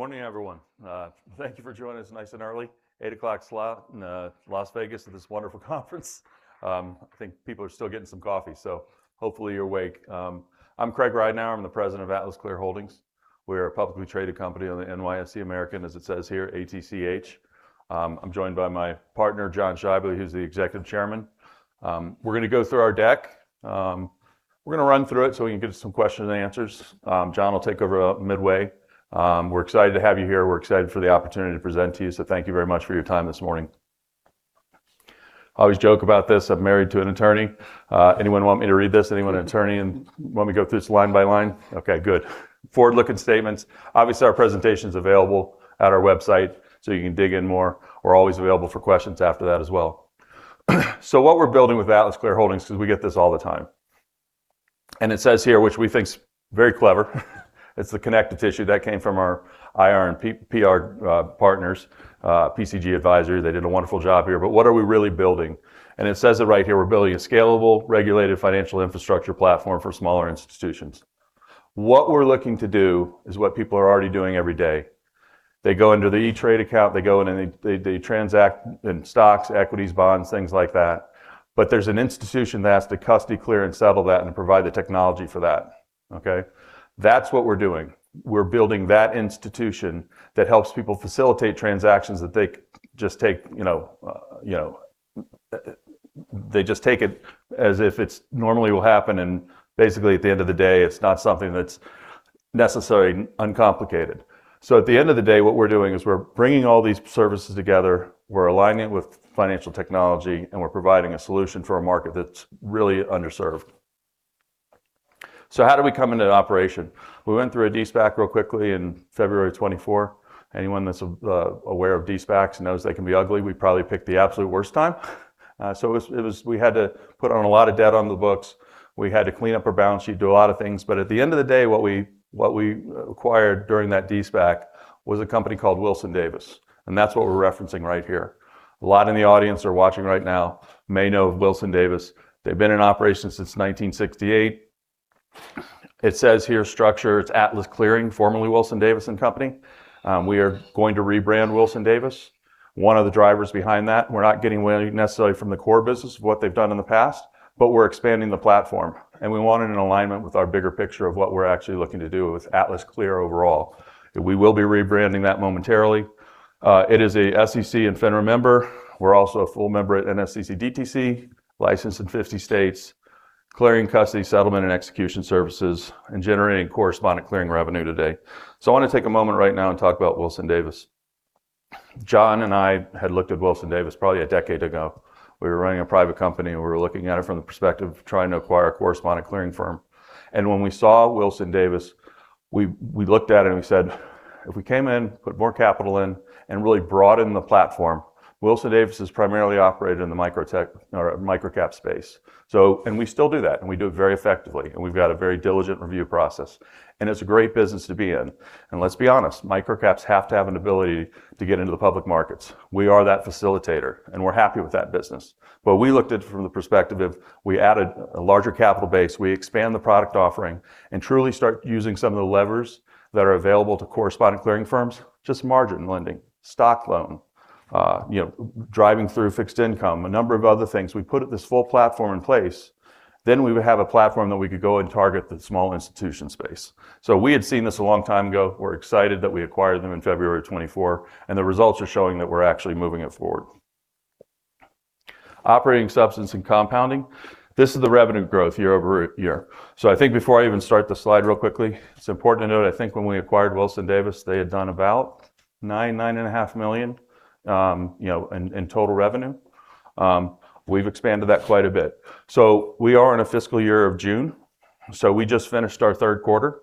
Good morning, everyone. Thank you for joining us nice and early, 8:00 A.M. in Las Vegas at this wonderful conference. I think people are still getting some coffee, hopefully you're awake. I'm Craig Ridenhour. I'm the President of AtlasClear Holdings. We're a publicly traded company on the NYSE American, as it says here, ATCH. I'm joined by my partner, John Schaible, who's the Executive Chairman. We're going to go through our deck. We're going to run through it so we can get to some questions and answers. John will take over midway. We're excited to have you here. We're excited for the opportunity to present to you, thank you very much for your time this morning. I always joke about this. I'm married to an attorney. Anyone want me to read this? Anyone an attorney and want me to go through this line by line? Good. Forward-looking statements. Obviously, our presentation's available at our website, you can dig in more. We're always available for questions after that as well. What we're building with AtlasClear Holdings, because we get this all the time, and it says here, which we think is very clever, it's the connective tissue, that came from our IR and PR partners, PCG Advisory. They did a wonderful job here. What are we really building? It says it right here. We're building a scalable, regulated financial infrastructure platform for smaller institutions. What we're looking to do is what people are already doing every day. They go into the E*TRADE account. They go in, and they transact in stocks, equities, bonds, things like that. There's an institution that has to custody, clear, and settle that and provide the technology for that. That's what we're doing. We're building that institution that helps people facilitate transactions that they just take it as if it's normally will happen, and basically, at the end of the day, it's not something that's necessarily uncomplicated. At the end of the day, what we're doing is we're bringing all these services together, we're aligning it with financial technology, and we're providing a solution for a market that's really underserved. How did we come into the operation? We went through a de-SPAC real quickly in February 2024. Anyone that's aware of de-SPACs knows they can be ugly. We probably picked the absolute worst time. We had to put on a lot of debt on the books. We had to clean up our balance sheet, do a lot of things. At the end of the day, what we acquired during that de-SPAC was a company called Wilson-Davis, and that's what we're referencing right here. A lot in the audience who are watching right now may know of Wilson-Davis. They've been in operation since 1968. It says here, structure. It's Atlas Clearing, formerly Wilson-Davis & Co., Inc. We are going to rebrand Wilson-Davis. One of the drivers behind that, we're not getting away necessarily from the core business of what they've done in the past, but we're expanding the platform, and we wanted an alignment with our bigger picture of what we're actually looking to do with AtlasClear overall. We will be rebranding that momentarily. It is a SEC and FINRA member. We're also a full member at NSCC/DTC, licensed in 50 states, clearing custody, settlement, and execution services, and generating correspondent clearing revenue today. I want to take a moment right now and talk about Wilson-Davis. John and I had looked at Wilson-Davis probably a decade ago. We were running a private company, and we were looking at it from the perspective of trying to acquire a correspondent clearing firm. When we saw Wilson-Davis, we looked at it and we said, if we came in, put more capital in, and really broaden the platform. Wilson-Davis is primarily operated in the microcap space. We still do that, and we do it very effectively, and we've got a very diligent review process. It's a great business to be in. Let's be honest, microcaps have to have an ability to get into the public markets. We are that facilitator, and we're happy with that business. We looked at it from the perspective of we added a larger capital base, we expand the product offering, and truly start using some of the levers that are available to correspondent clearing firms, just margin lending, stock loan, driving through fixed income, a number of other things. We put this full platform in place. We would have a platform that we could go and target the small institution space. We had seen this a long time ago. We're excited that we acquired them in February 2024, and the results are showing that we're actually moving it forward. Operating substance and compounding. This is the revenue growth year-over-year. I think before I even start the slide real quickly, it's important to note, I think when we acquired Wilson-Davis, they had done about $9 million-$9.5 million in total revenue. We've expanded that quite a bit. We are in a fiscal year of June, so we just finished our third quarter.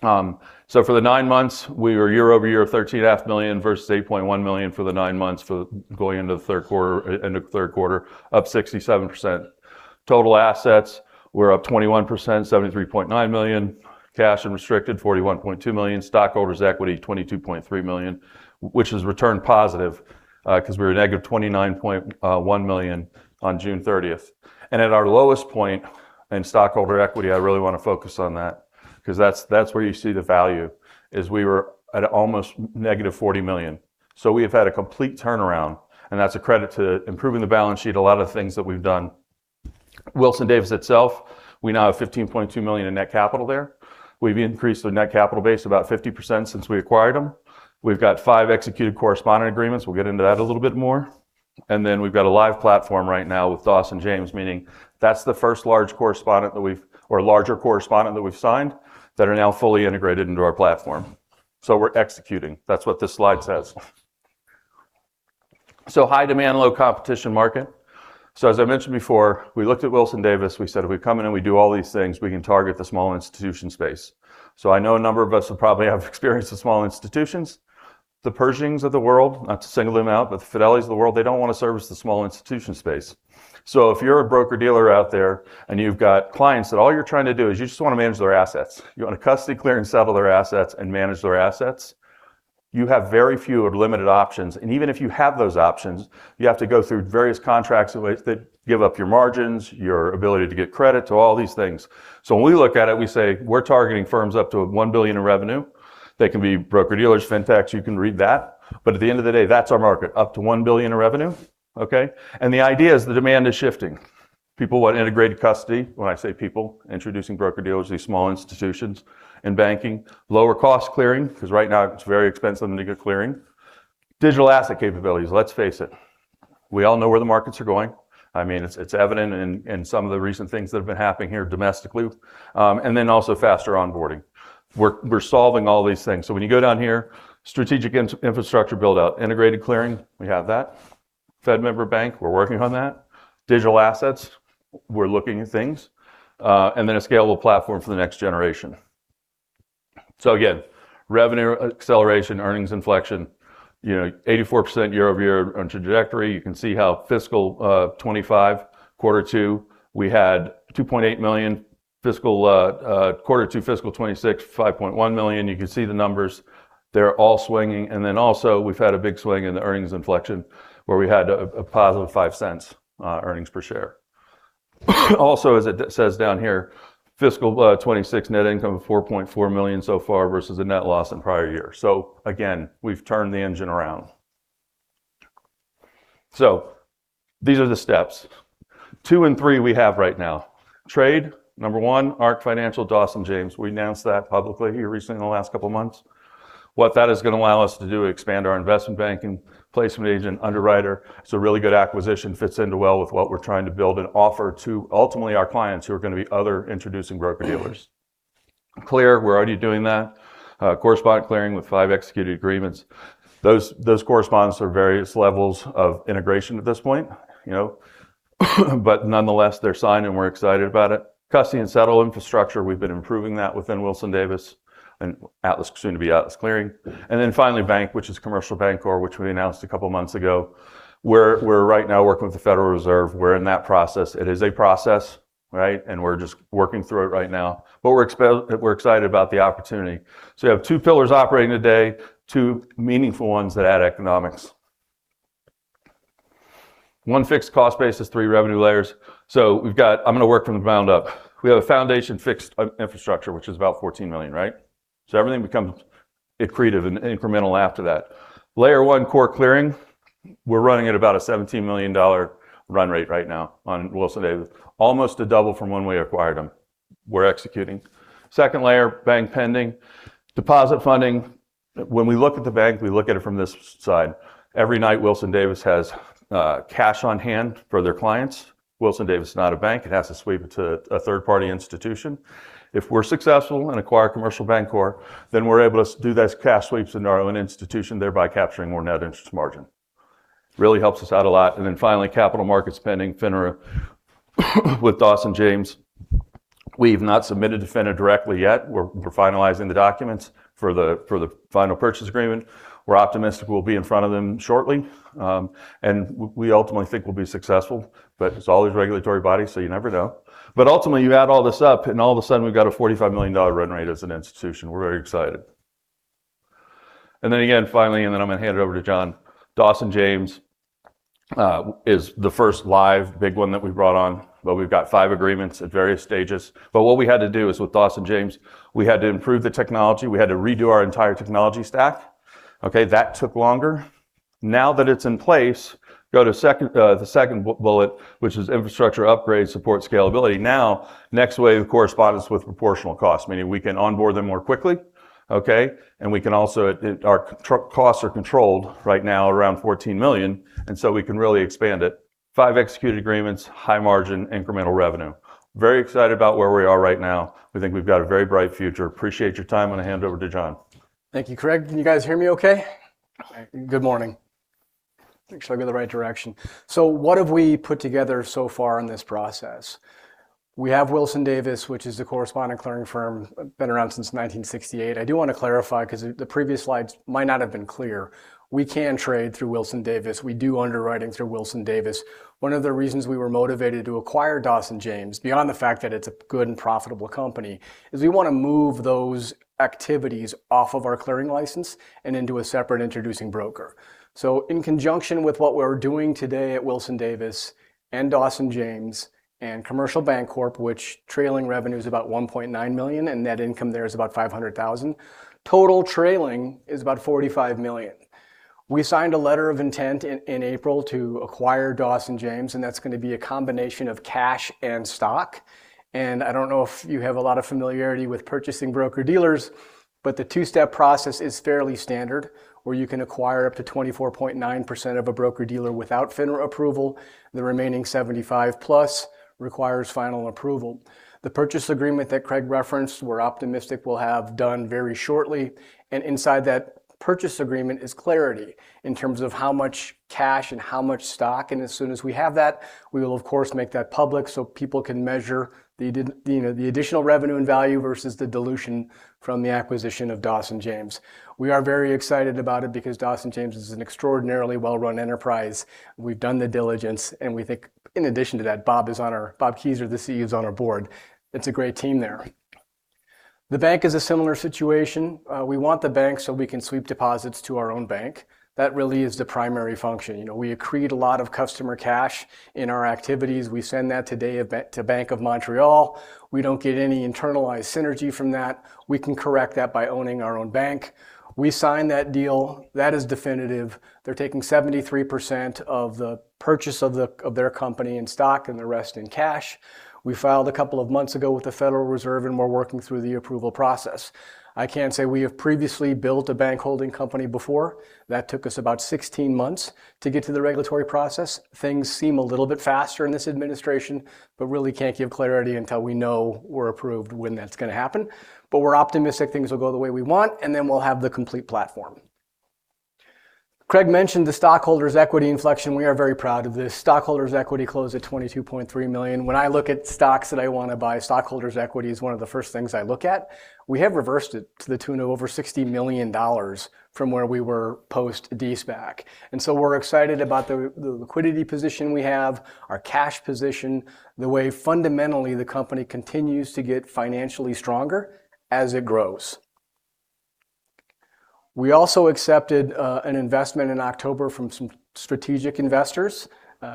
For the nine months, we were year-over-year, $13.5 million versus $8.1 million for the nine months going into the third quarter, up 67%. Total assets were up 21%, $73.9 million. Cash and restricted, $41.2 million. Stockholders' equity, $22.3 million, which is return positive, because we were -$29.1 million on June 30th. At our lowest point in stockholder equity, I really want to focus on that, because that's where you see the value is we were at almost -$40 million. We have had a complete turnaround, and that's a credit to improving the balance sheet, a lot of the things that we've done. Wilson-Davis itself, we now have $15.2 million in net capital there. We've increased the net capital base about 50% since we acquired them. We've got five executed correspondent agreements. We'll get into that a little bit more. We've got a live platform right now with Dawson James, meaning that's the first large correspondent that we've or larger correspondent that we've signed that are now fully integrated into our platform. We're executing. That's what this slide says. High-demand, low-competition market. As I mentioned before, we looked at Wilson-Davis. We said if we come in and we do all these things, we can target the small institution space. I know a number of us will probably have experience with small institutions. The Pershings of the world, not to single them out, but the Fidelity of the world, they don't want to service the small institution space. If you're a broker-dealer out there and you've got clients that all you're trying to do is you just want to manage their assets, you want to custody, clear, and settle their assets, and manage their assets. You have very few or limited options. Even if you have those options, you have to go through various contracts that give up your margins, your ability to get credit, to all these things. When we look at it, we say we're targeting firms up to $1 billion in revenue. They can be broker-dealers, fintechs. You can read that. At the end of the day, that's our market, up to $1 billion in revenue. Okay. The idea is the demand is shifting. People want integrated custody. When I say people, introducing broker-dealers, these small institutions in banking. Lower-cost clearing, because right now it's very expensive to get clearing. Digital asset capabilities. Let's face it, we all know where the markets are going. It's evident in some of the recent things that have been happening here domestically. Faster onboarding. We're solving all these things. When you go down here, strategic infrastructure build-out, integrated clearing, we have that. Fed member bank, we're working on that. Digital assets, we're looking at things. A scalable platform for the next generation. Again, revenue acceleration, earnings inflection, 84% year-over-year on trajectory. You can see how fiscal 2025, quarter two, we had $2.8 million. Quarter two, fiscal 2026, $5.1 million. You can see the numbers. They're all swinging. We've had a big swing in the earnings inflection, where we had a +$0.05 earnings per share. As it says down here, fiscal 2026 net income of $4.4 million so far, versus a net loss in prior years. Again, we've turned the engine around. These are the steps, 2 and 3 we have right now. Trade, number 1, ARC Financial, Dawson James. We announced that publicly here recently in the last couple of months. What that is going to allow us to do, expand our investment banking placement agent underwriter. It's a really good acquisition, fits into well with what we're trying to build and offer to ultimately our clients, who are going to be other introducing broker-dealers. Clear, we're already doing that. Correspondent clearing with five executed agreements. Those correspondents are various levels of integration at this point. Nonetheless, they're signed, and we're excited about it. Custody and settle infrastructure, we've been improving that within Wilson-Davis, and soon to be Atlas Clearing. Finally, bank, which is Commercial Bancorp, which we announced a couple of months ago. We're right now working with the Federal Reserve. We're in that process. It is a process, right? We're just working through it right now. We're excited about the opportunity. You have two pillars operating today, two meaningful ones that add economics. One fixed cost base, there's three revenue layers. I'm going to work from the ground up. We have a foundation fixed infrastructure, which is about $14 million. Everything becomes accretive and incremental after that. Layer 1 core clearing, we're running at about a $17 million run rate right now on Wilson-Davis, almost a double from when we acquired them. We're executing. Second layer, bank pending. Deposit funding. When we look at the bank, we look at it from this side. Every night, Wilson-Davis has cash on hand for their clients. Wilson-Davis is not a bank. It has to sweep it to a third-party institution. If we're successful and acquire Commercial Bancorp, then we're able to do those cash sweeps in our own institution, thereby capturing more net interest margin. Really helps us out a lot. Finally, capital market spending, FINRA with Dawson James. We've not submitted to FINRA directly yet. We're finalizing the documents for the final purchase agreement. We're optimistic we'll be in front of them shortly. And we ultimately think we'll be successful, but it's always a regulatory body, so you never know. Ultimately, you add all this up, and all of a sudden, we've got a $45 million run rate as an institution. We're very excited. Again, finally, and then I'm going to hand it over to John, Dawson James is the first live big one that we brought on, but we've got five agreements at various stages. What we had to do is with Dawson James, we had to improve the technology. We had to redo our entire technology stack. Okay, that took longer. Now that it's in place, go to the second bullet, which is infrastructure upgrade, support scalability. Now, next wave of correspondents with proportional cost, meaning we can onboard them more quickly. Okay. Our costs are controlled right now around $14 million, and so we can really expand it. Five executed agreements, high margin, incremental revenue. Very excited about where we are right now. We think we've got a very bright future. Appreciate your time. I'm going to hand it over to John. Thank you, Craig. Can you guys hear me okay? Good morning. Make sure I go the right direction. What have we put together so far in this process? We have Wilson-Davis, which is the correspondent clearing firm, been around since 1968. I do want to clarify, because the previous slides might not have been clear. We can trade through Wilson-Davis. We do underwriting through Wilson-Davis. One of the reasons we were motivated to acquire Dawson James, beyond the fact that it's a good and profitable company, is we want to move those activities off of our clearing license and into a separate introducing broker. In conjunction with what we're doing today at Wilson-Davis, and Dawson James, and Commercial Bancorp, which trailing revenue is about $1.9 million, and net income there is about $500,000. Total trailing is about $45 million. We signed a letter of intent in April to acquire Dawson James, and that's going to be a combination of cash and stock. I don't know if you have a lot of familiarity with purchasing broker-dealers, but the two-step process is fairly standard, where you can acquire up to 24.9% of a broker-dealer without FINRA approval. The remaining 75+ requires final approval. The purchase agreement that Craig referenced, we're optimistic we'll have done very shortly. Inside that purchase agreement is clarity in terms of how much cash and how much stock. As soon as we have that, we will of course make that public so people can measure the additional revenue and value versus the dilution from the acquisition of Dawson James. We are very excited about it because Dawson James is an extraordinarily well-run enterprise. We've done the diligence. We think in addition to that, Bob Keyser, the CEO, is on our board. It's a great team there. The bank is a similar situation. We want the bank so we can sweep deposits to our own bank. That really is the primary function. We accrete a lot of customer cash in our activities. We send that today to Bank of Montreal. We don't get any internalized synergy from that. We can correct that by owning our own bank. We signed that deal. That is definitive. They're taking 73% of the purchase of their company in stock and the rest in cash. We filed a couple of months ago with the Federal Reserve, and we're working through the approval process. I can say we have previously built a bank holding company before. That took us about 16 months to get through the regulatory process. Things seem a little bit faster in this administration. Really can't give clarity until we know we're approved, when that's going to happen. We're optimistic things will go the way we want, and then we'll have the complete platform. Craig mentioned the stockholders' equity inflection. We are very proud of this. Stockholders' equity closed at $22.3 million. When I look at stocks that I want to buy, stockholders' equity is one of the first things I look at. We have reversed it to the tune of over $60 million from where we were post-de-SPAC. We're excited about the liquidity position we have, our cash position, the way fundamentally the company continues to get financially stronger as it grows. We also accepted an investment in October from some strategic investors.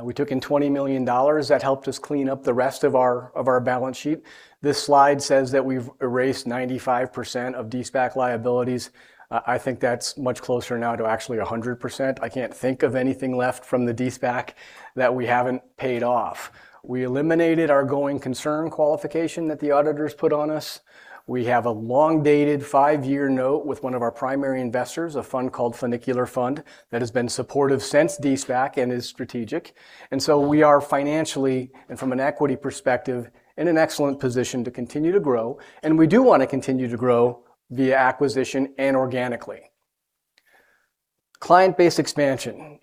We took in $20 million. That helped us clean up the rest of our balance sheet. This slide says that we've erased 95% of de-SPAC liabilities. I think that's much closer now to actually 100%. I can't think of anything left from the de-SPAC that we haven't paid off. We eliminated our going concern qualification that the auditors put on us. We have a long-dated five-year note with one of our primary investors, a fund called Funicular Fund, that has been supportive since de-SPAC and is strategic. We are financially, and from an equity perspective, in an excellent position to continue to grow, and we do want to continue to grow via acquisition and organically. Client base expansion.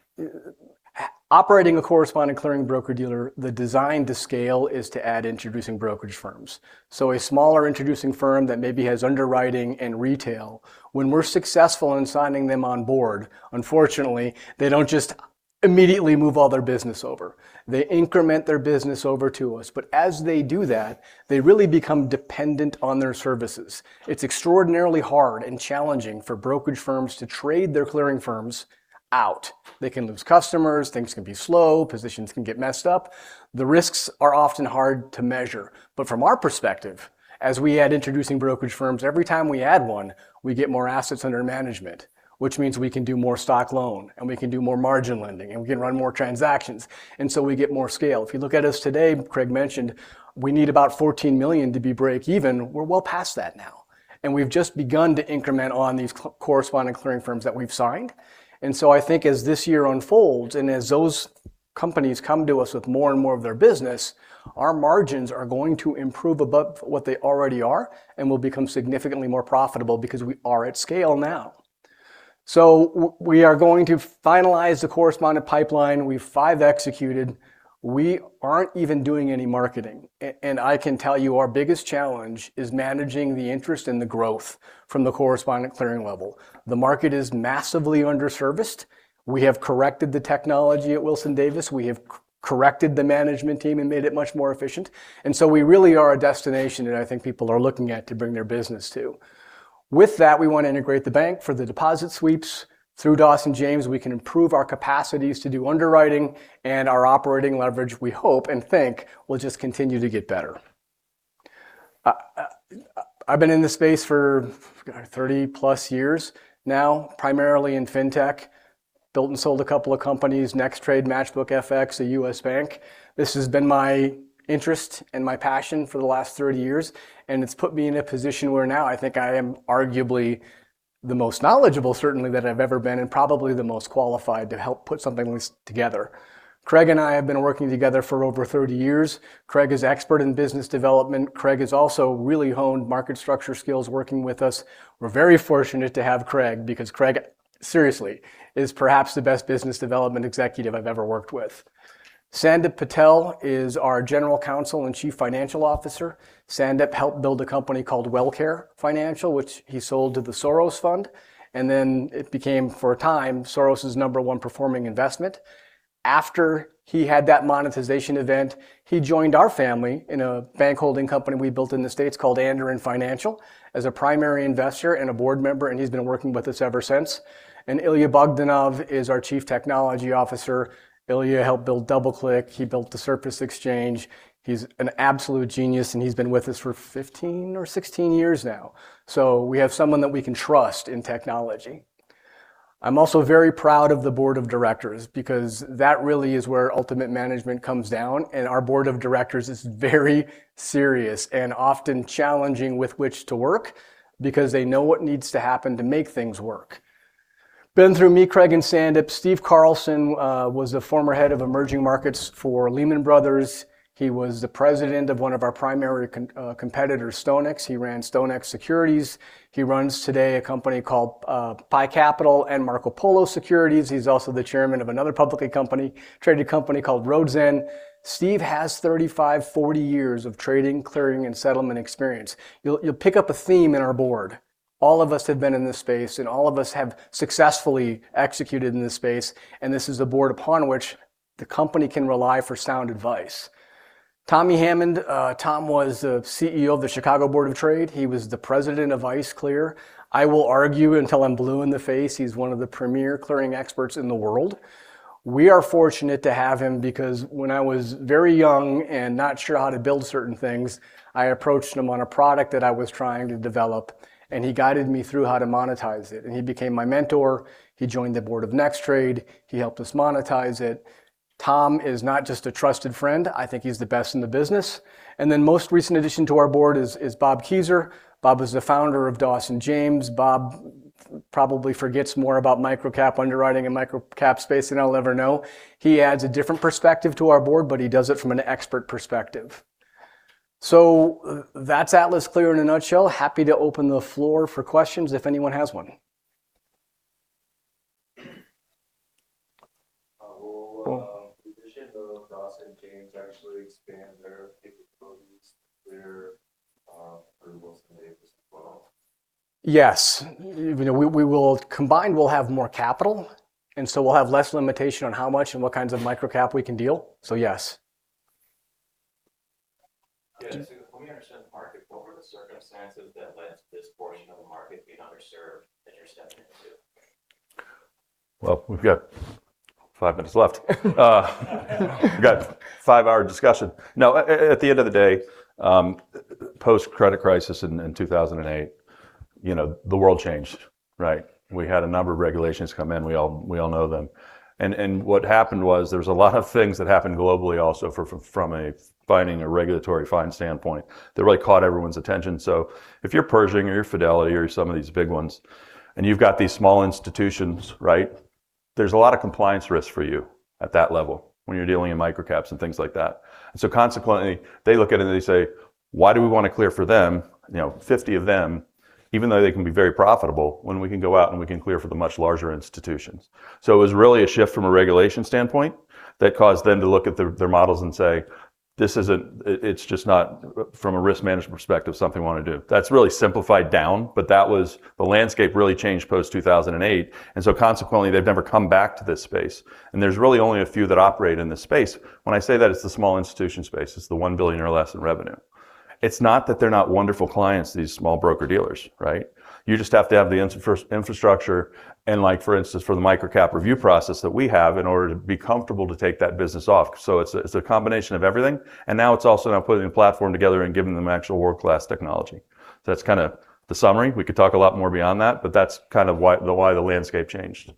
Operating a correspondent clearing broker-dealer, the design to scale is to add introducing brokerage firms. A smaller introducing firm that maybe has underwriting and retail. When we're successful in signing them on board, unfortunately, they don't just immediately move all their business over. They increment their business over to us. As they do that, they really become dependent on their services. It's extraordinarily hard and challenging for brokerage firms to trade their clearing firms out. They can lose customers, things can be slow, positions can get messed up. The risks are often hard to measure. From our perspective, as we add introducing brokerage firms, every time we add one, we get more assets under management, which means we can do more stock loan, and we can do more margin lending, and we can run more transactions. We get more scale. If you look at us today, Craig mentioned we need about $14 million to be break even. We're well past that now, and we've just begun to increment on these corresponding clearing firms that we've signed. I think as this year unfolds and as those companies come to us with more and more of their business, our margins are going to improve above what they already are and will become significantly more profitable because we are at scale now. We are going to finalize the correspondent pipeline. We have five executed. We are not even doing any marketing. I can tell you our biggest challenge is managing the interest and the growth from the correspondent clearing level. The market is massively underserviced. We have corrected the technology at Wilson-Davis. We have corrected the management team and made it much more efficient. We really are a destination that I think people are looking at to bring their business to. With that, we want to integrate the bank for the deposit sweeps. Through Dawson James, we can improve our capacities to do underwriting, and our operating leverage, we hope and think, will just continue to get better. I have been in this space for 30+ years now, primarily in fintech. Built and sold a couple of companies, NexTrade, Matchbook FX, a U.S. bank. This has been my interest and my passion for the last 30 years, and it has put me in a position where now I think I am arguably the most knowledgeable, certainly, that I have ever been, and probably the most qualified to help put something like this together. Craig and I have been working together for over 30 years. Craig is expert in business development. Craig has also really honed market structure skills working with us. We are very fortunate to have Craig because Craig, seriously, is perhaps the best business development executive I have ever worked with. Sandip Patel is our General Counsel and Chief Financial Officer. Sandip helped build a company called Wellcare Financial, which he sold to the Soros Fund, and then it became, for a time, Soros' number one performing investment. After he had that monetization event, he joined our family in a bank holding company we built in the States called Anderen Financial as a primary investor and a board member, and he has been working with us ever since. Ilya Bogdanov is our Chief Technology Officer. Ilya helped build DoubleClick. He built the SURFACExchange. He is an absolute genius, and he has been with us for 15 or 16 years now. We have someone that we can trust in technology. I am also very proud of the board of directors because that really is where ultimate management comes down, and our board of directors is very serious and often challenging with which to work because they know what needs to happen to make things work. Been through me, Craig, and Sandip. Steve Carlson was the former head of emerging markets for Lehman Brothers. He was the President of one of our primary competitors, StoneX. He ran StoneX Securities. He runs today a company called Pi Capital and Marco Polo Securities. He is also the Chairman of another publicly traded company called Roadzen. Steve has 35, 40 years of trading, clearing, and settlement experience. You'll pick up a theme in our board. All of us have been in this space, and all of us have successfully executed in this space, and this is the board upon which the company can rely for sound advice. Tommy Hammond, Tom was a CEO of the Chicago Board of Trade. He was the President of ICE Clear. I will argue until I'm blue in the face, he's one of the premier clearing experts in the world. We are fortunate to have him because when I was very young and not sure how to build certain things, I approached him on a product that I was trying to develop, and he guided me through how to monetize it. He became my mentor. He joined the board of NexTrade. He helped us monetize it. Tom is not just a trusted friend. I think he's the best in the business. Most recent addition to our board is Bob Keyser. Bob was the founder of Dawson James. Bob probably forgets more about microcap underwriting and microcap space than I'll ever know. He adds a different perspective to our board, but he does it from an expert perspective. That's AtlasClear in a nutshell. Happy to open the floor for questions if anyone has one. Will the addition of Dawson James actually expand their capabilities, their approvals, and Davis as well? Yes. Combined, we'll have more capital, we'll have less limitation on how much and what kinds of microcap we can deal. Yes. Good. Let me understand the market. What were the circumstances that led to this portion of the market being underserved that you're stepping into? Well, we've got five minutes left. We've got a five-hour discussion. No, at the end of the day, post-credit crisis in 2008, the world changed. We had a number of regulations come in. We all know them. What happened was there was a lot of things that happened globally also from a finding a regulatory fine standpoint that really caught everyone's attention. If you're Pershing or you're Fidelity or you're some of these big ones, and you've got these small institutions, there's a lot of compliance risk for you at that level when you're dealing in microcaps and things like that. Consequently, they look at it and they say, "Why do we want to clear for them, 50 of them, even though they can be very profitable, when we can go out and we can clear for the much larger institutions?" It was really a shift from a regulation standpoint that caused them to look at their models and say, "It's just not, from a risk management perspective, something we want to do." That's really simplified down, but the landscape really changed post-2008. Consequently, they've never come back to this space. There's really only a few that operate in this space. When I say that, it's the small institution space. It's the $1 billion or less in revenue. It's not that they're not wonderful clients, these small broker-dealers. You just have to have the infrastructure and like, for instance, for the microcap review process that we have, in order to be comfortable to take that business off. It's a combination of everything, and now it's also now putting a platform together and giving them actual world-class technology. That's kind of the summary. We could talk a lot more beyond that, but that's kind of why the landscape changed.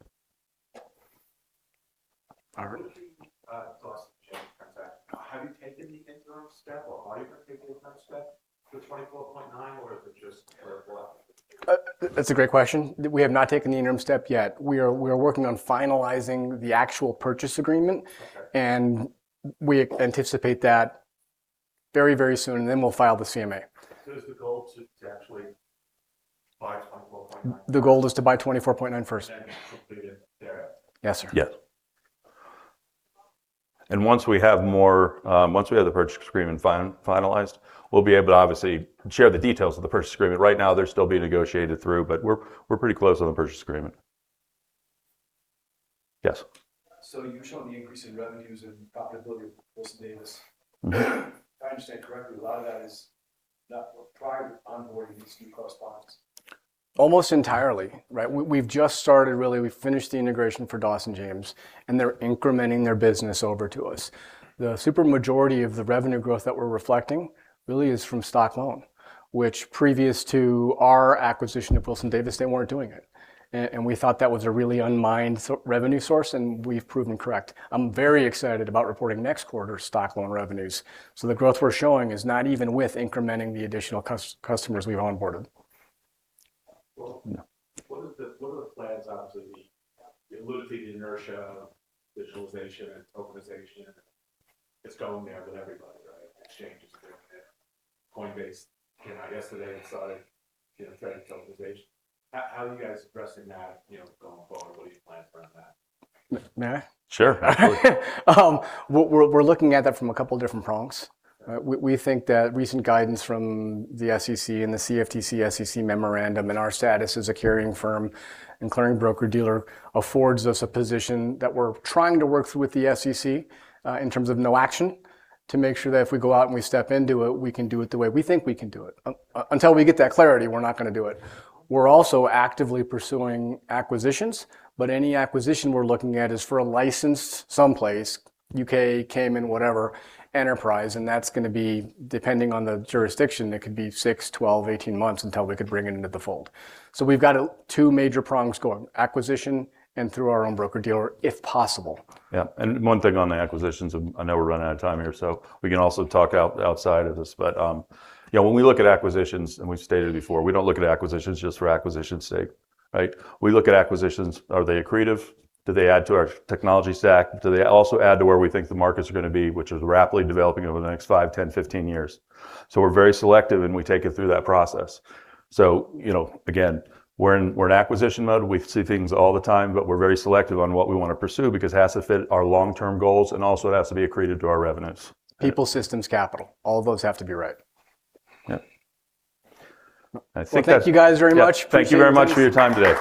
Alright. With the Dawson James transaction, have you taken the interim step, or are you going to take the interim step to 24.9%, or is it just clear flat? That's a great question. We have not taken the interim step yet. We are working on finalizing the actual purchase agreement. We anticipate that very soon, then we'll file the CMA. Is the goal to actually buy 24.9%? The goal is to buy 24.9% first. Complete it thereafter. Yes, sir. Yes. Once we have the purchase agreement finalized, we'll be able to obviously share the details of the purchase agreement. Right now, they're still being negotiated through, but we're pretty close on the purchase agreement. Yes. You're showing the increase in revenues and profitability of Wilson-Davis. If I understand correctly, a lot of that is not prior to onboarding these new correspondents. Almost entirely. We've just started really. We finished the integration for Dawson James, and they're incrementing their business over to us. The super majority of the revenue growth that we're reflecting really is from stock loan, which previous to our acquisition of Wilson-Davis, they weren't doing it. We thought that was a really unmined revenue source, and we've proven correct. I'm very excited about reporting next quarter stock loan revenues. The growth we're showing is not even with incrementing the additional customers we've onboarded. Well, what are the plans? You alluded to the inertia of digitalization and tokenization, and it's going there with everybody, right? Exchanges are doing it. Coinbase came out yesterday and started credit tokenization. How are you guys addressing that going forward? What are your plans around that? May I? Sure, absolutely. We're looking at that from a couple different prongs. We think that recent guidance from the SEC and the CFTC, SEC memorandum, and our status as a carrying firm and clearing broker-dealer affords us a position that we're trying to work through with the SEC, in terms of no-action letter, to make sure that if we go out and we step into it, we can do it the way we think we can do it. Until we get that clarity, we're not going to do it. We're also actively pursuing acquisitions, but any acquisition we're looking at is for a licensed someplace, U.K., Cayman, whatever, enterprise, and that's going to be depending on the jurisdiction. It could be 6, 12, 18 months until we could bring it into the fold. We've got two major prongs going, acquisition and through our own broker-dealer if possible. Yeah. One thing on the acquisitions, I know we're running out of time here, we can also talk outside of this. When we look at acquisitions, and we've stated before, we don't look at acquisitions just for acquisition's sake. We look at acquisitions, are they accretive? Do they add to our technology stack? Do they also add to where we think the markets are going to be, which is rapidly developing over the next 5, 10, 15 years? We're very selective, and we take it through that process. Again, we're in acquisition mode. We see things all the time, but we're very selective on what we want to pursue because it has to fit our long-term goals, and also it has to be accretive to our revenues. People, systems, capital. All those have to be right. Yeah. I think that's. Well, thank you guys very much. Yeah. Thank you very much for your time today.